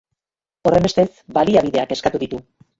Horrenbestez, baliabideak eskatu ditu.